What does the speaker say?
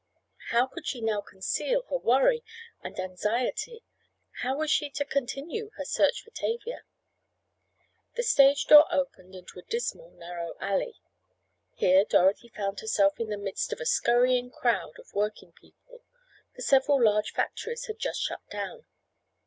How could she now conceal her worry and anxiety? How was she to continue her search for Tavia? The stage door opened into a dismal, narrow alley. Here Dorothy found herself in the midst of a scurrying crowd of working people, for several large factories had just shut down.